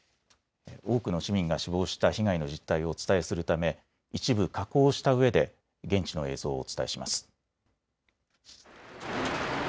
多くの市民が死亡した被害の実態をお伝えするため一部、加工したうえで現地の映像をお伝えします。